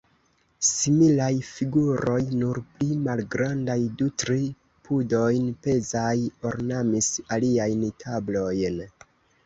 Similaj figuroj, nur pli malgrandaj, du-tri pudojn pezaj, ornamis aliajn tablojn.